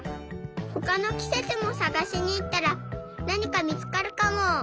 ほかのきせつもさがしにいったらなにかみつかるかも。